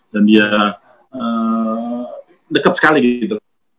dan dia deket sekali gitu